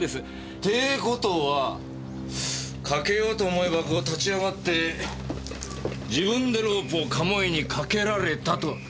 てぇ事は掛けようと思えばこう立ち上がって自分でロープを鴨居に掛けられたと。